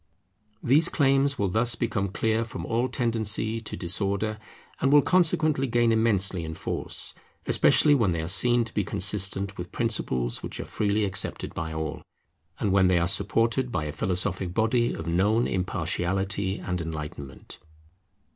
These claims will thus become clear from all tendency to disorder, and will consequently gain immensely in force; especially when they are seen to be consistent with principles which are freely accepted by all, and when they are supported by a philosophic body of known impartiality and enlightenment.